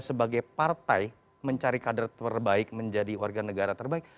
sebagai partai mencari kader terbaik menjadi warga negara terbaik